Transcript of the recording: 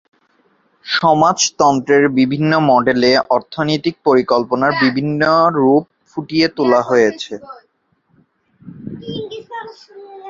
সমাজতন্ত্রের বিভিন্ন মডেলে অর্থনৈতিক পরিকল্পনার বিভিন্ন রূপ ফুটিয়ে তোলা হয়েছে।